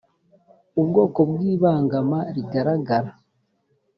ubwoko bw ibangama rigaragara